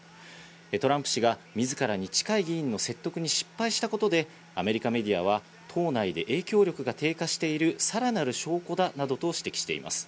トランプ氏がみずからに近い議員の説得に失敗したことで、アメリカメディアは党内で影響力が低下しているさらなる証拠だなどと指摘しています。